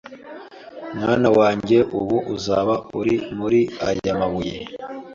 Mwana wanjye ubu uzaba uri muri aya mabuye